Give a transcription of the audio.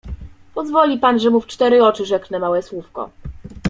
"Pozwoli pan, że mu w cztery oczy rzeknę małe słówko."